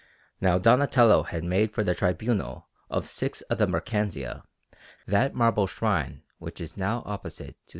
Now Donatello had made for the Tribunal of Six of the Mercanzia that marble shrine which is now opposite to S.